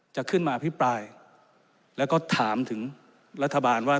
จะขึ้นมาอภิปรายแล้วก็ถามถึงรัฐบาลว่า